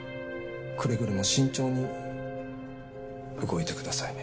くれぐれも慎重に動いてくださいね。